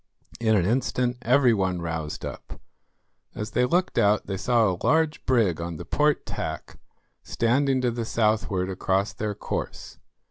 In an instant every one roused up. As they looked out they saw a large brig on the port tack, standing to the southward across their course.